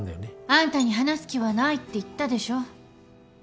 あんたに話す気はないって言ったでしょ？